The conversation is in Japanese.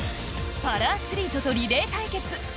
パラアスリートとリレー対決